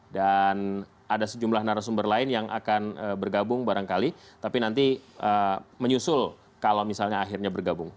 dan ada sejumlah narasumber lain yang akan bergabung barangkali tapi nanti menyusul kalau misalnya akhirnya bergabung